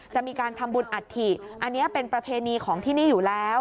จะมีการทำบุญอัฐิอันนี้เป็นประเพณีของที่นี่อยู่แล้ว